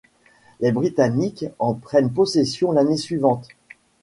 Les Britanniques en prennent possession l'année suivante.